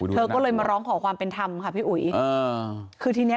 เธอก็เลยมาร้องขอความเป็นธรรมค่ะพี่อุ๋ย